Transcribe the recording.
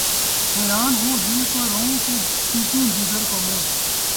حیراں ہوں‘ دل کو روؤں کہ‘ پیٹوں جگر کو میں